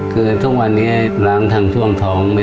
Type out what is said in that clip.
คือทุกวันนี้ล้างทางช่วงท้อง